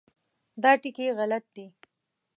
دا ټکي غلط دي.